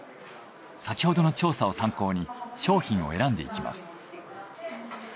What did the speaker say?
先ほどの調査を参考に商品を選んでいきます。